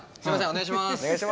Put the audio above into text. お願いします